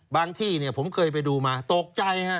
ที่ผมเคยไปดูมาตกใจฮะ